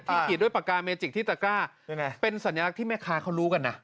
ขีดด้วยปากกาเมจิกที่ตะกร้ายังไงเป็นสัญลักษณ์ที่แม่ค้าเขารู้กันนะ